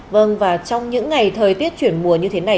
vâng và trong những ngày thời tiết chuyển mùa như thế này